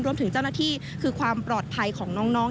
รวมถึงเจ้าหน้าที่คือความปลอดภัยของน้อง